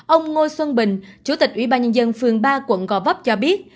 ông ngô xuân bình chủ tịch ủy ban nhân dân phường ba quận gò vấp cho biết